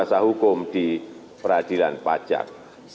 dan juga kuasa hukum di peradilan pajak